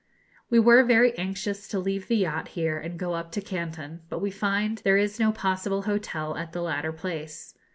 We were very anxious to leave the yacht here and to go up to Canton; but we find there is no possible hotel at the latter place.